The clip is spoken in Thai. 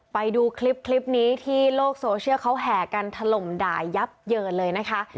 ไปดูคลิปนี้ที่โลกโซเชียลเขาแห่กันถล่มด่ายับเยินเลยนะคะ